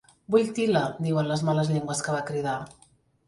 "Vull til·la" —diuen les males llengües que va cridar.